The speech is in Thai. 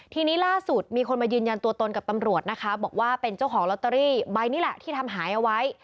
ทีนี้ล่าสุดมีคนมายืนยันตัวตนกับตำรวจนะคะบอกว่าเป็นเจ้าของลอตเตอรี่ใบนี้แหละที่ทำหายเอาไว้